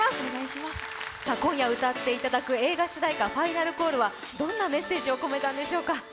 今夜、歌っていただく映画主題歌「ＦａｉｎａｌＣａｌｌ」はどんなメッセージを込めたんでしょうか？